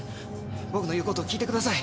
僕の言う事を聞いてください。